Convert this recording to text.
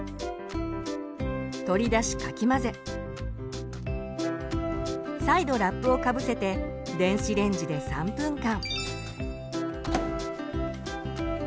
取り出しかき混ぜ再度ラップをかぶせて電子レンジで３分間。